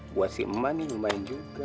gue si emang ini lumayan juga